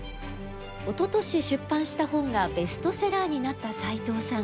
おととし出版した本がベストセラーになった斎藤さん。